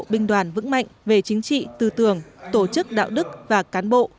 binh đoàn vững mạnh về chính trị tư tưởng tổ chức đạo đức và cán bộ